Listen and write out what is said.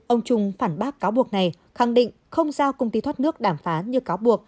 ông trung phản bác cáo buộc này khẳng định không giao công ty thoát nước đàm phán như cáo buộc